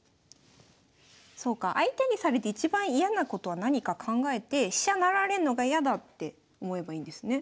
そうか相手にされて一番嫌なことは何か考えて飛車成られるのが嫌だって思えばいいんですね。